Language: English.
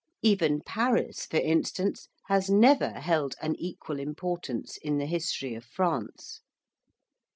Even Paris, for instance, has never held an equal importance in the history of France.